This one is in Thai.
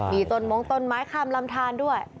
มีต้นมงต้นไม้ข้ามลำทานด้วย